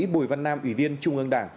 bùi văn nam ủy viên trung ương đảng